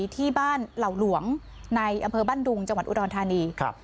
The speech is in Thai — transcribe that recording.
ที่บ้านเหล่าหลวงในอำเภอบ้านดุงจังหวัดอุดรธานี